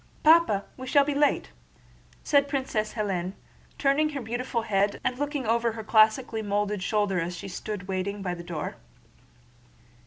"Papa, we shall be late," said Princess Hélène, turning her beautiful head and looking over her classically molded shoulder as she stood waiting by the door.